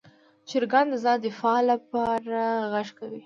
چرګان د ځان دفاع لپاره غږ کوي.